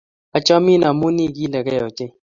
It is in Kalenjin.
Achamin amu igiligei ochei